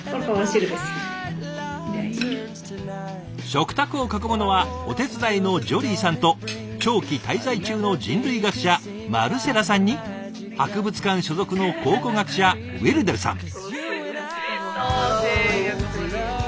食卓を囲むのはお手伝いのジョリーさんと長期滞在中の人類学者マルセラさんに博物館所属の考古学者ウィルデルさん。